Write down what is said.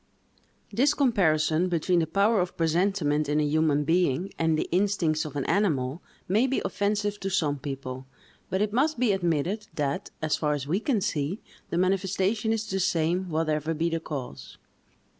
THIS comparison between the power of presentiment in a human being and the instincts of an animal, may be offensive to some people; but it must be admitted, that, as far as we can see, the manifestation is the same, whatever be the cause.